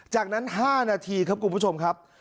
จากนั้น๕นาทีครับคุณผู้ชมครับ